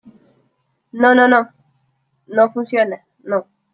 no, no, no. no funciona, no.